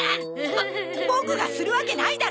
ボボクがするわけないだろ！